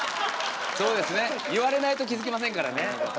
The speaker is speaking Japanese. そうですね言われないと気付きませんからね。